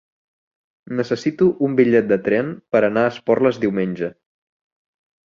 Necessito un bitllet de tren per anar a Esporles diumenge.